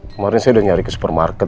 kemarin saya udah nyari ke supermarket